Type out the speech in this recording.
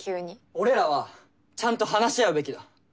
俺らはちゃんと話し合うべきだ。